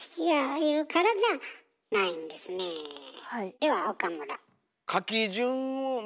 では岡村。